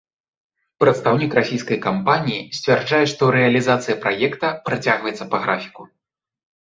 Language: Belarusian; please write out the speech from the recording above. Прадстаўнік расійскай кампаніі сцвярджае, што рэалізацыя праекта працягваецца па графіку.